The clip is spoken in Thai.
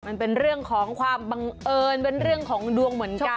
มันเป็นเรื่องของความบังเอิญเป็นเรื่องของดวงเหมือนกัน